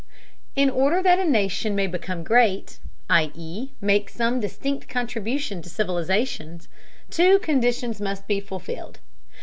In order that a nation may become great, i.e. make some distinct contribution to civilization, two conditions must be fulfilled.